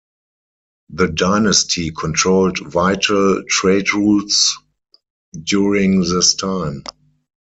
The dynasty controlled vital trade routes during this time.